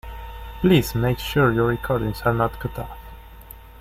Please make sure your recordings are not cut off.